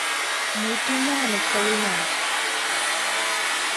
— Мый тунамак паленам.